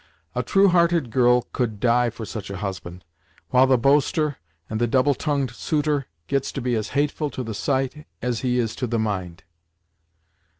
A true hearted girl could die for such a husband! while the boaster, and the double tongued suitor gets to be as hateful to the sight, as he is to the mind."